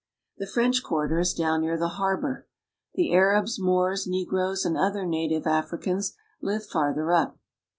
The French quarter is down near the harbor. j The Arabs, Moors, negroes, and other native Africans live ■ farther up.